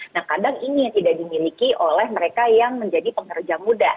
nah kadang ini tidak dimiliki oleh mereka yang menjadi pekerja muda